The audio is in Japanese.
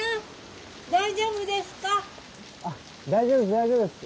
大丈夫ですか？